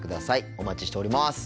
お待ちしております。